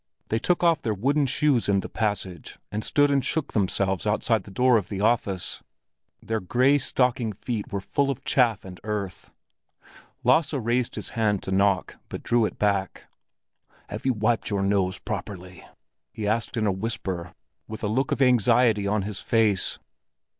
They took off their wooden shoes in the passage, and stood and shook themselves outside the door of the office; their gray stocking feet were full of chaff and earth. Lasse raised his hand to knock, but drew it back. "Have you wiped your nose properly?" he asked in a whisper, with a look of anxiety on his face.